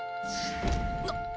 なっ